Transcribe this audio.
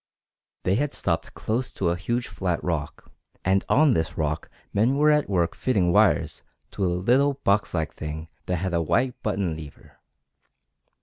They had stopped close to a huge flat rock, and on this rock men were at work fitting wires to a little boxlike thing that had a white button lever.